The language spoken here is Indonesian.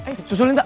cik susulin tak